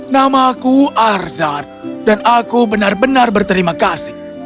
namaku arzad dan aku benar benar berterima kasih